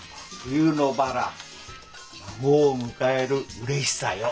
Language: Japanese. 「冬のバラ孫を迎えるうれしさよ」。